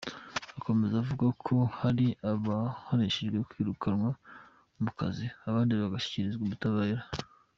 Akomeza avuga ko hari abahanishijwe kwirukanwa mu kazi, abandi bagashyikirizwa ubutabara.